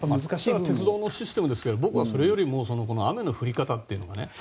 鉄道のシステムですけど僕はそれよりも雨の降り方というのが。